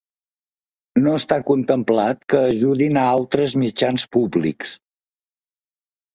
No està contemplat que ajudin a altres mitjans públics.